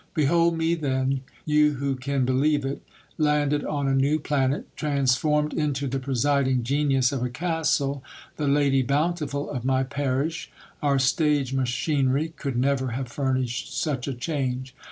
Behold me, then, you who c<m believe it, landed on a new planet, transformed into the presiding genius of a castle, the Lady Bountiful of my parish : our stage machinery could never have furnished such a change